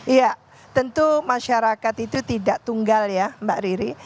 iya tentu masyarakat itu tidak tunggal ya mbak riri